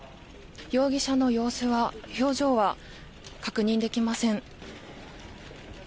容疑者の様子は表情は確認できません。